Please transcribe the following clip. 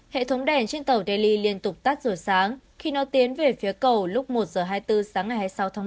hệ thống đèn trên tàu delhi liên tục tắt giờ sáng khi nó tiến về phía cầu lúc một h hai mươi bốn sáng ngày hai mươi sáu tháng ba